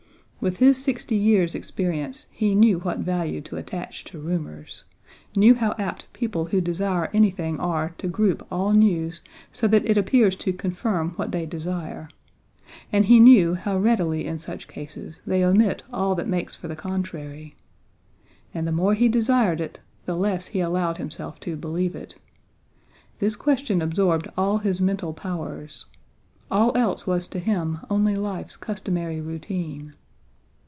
With his sixty years' experience he knew what value to attach to rumors, knew how apt people who desire anything are to group all news so that it appears to confirm what they desire, and he knew how readily in such cases they omit all that makes for the contrary. And the more he desired it the less he allowed himself to believe it. This question absorbed all his mental powers. All else was to him only life's customary routine.